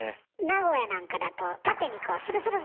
名古屋なんかだと縦にこうスルスル